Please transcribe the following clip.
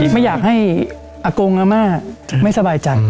ไม่อยากให้อากงอาม่าไม่สบายใจ